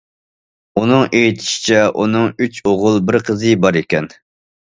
ئۇنىڭ ئېيتىشىچە، ئۇنىڭ ئۈچ ئوغۇل، بىر قىزى بار ئىكەن.